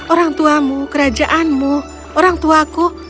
orang tuamu kerajaanmu orang tuaku